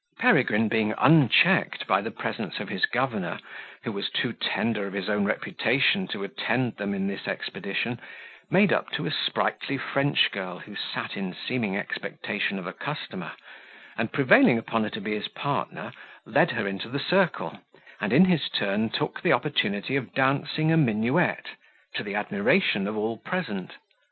Peregrine being unchecked by the presence of his governor, who was too tender of his own reputation to attend them in this expedition, made up to a sprightly French girl who sat in seeming expectation of a customer, and prevailing upon her to be his partner, led her into the circle, and in his turn took the opportunity of dancing a minuet, to the admiration of all present.